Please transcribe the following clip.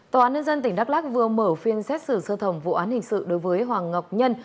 tòa án nhân dân tỉnh đắk lắc vừa mở phiên xét xử sơ thẩm vụ án hình sự đối với hoàng ngọc nhân